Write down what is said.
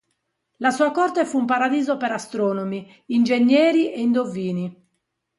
La sua corte fu un paradiso per astronomi, ingegneri e indovini.